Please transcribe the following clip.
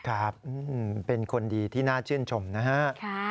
ครับเป็นคนดีที่น่าชื่นชมนะฮะ